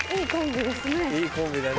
いいコンビだね